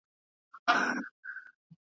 هسي نه ده چي نېستۍ ته برابر سو `